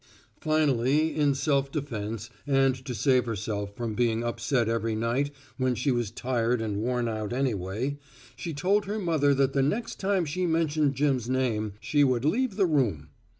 Finally in self defense and to save herself from being upset every night when she was tired and worn out anyway, she told her mother that the next time she mentioned Jim's name she would leave the room.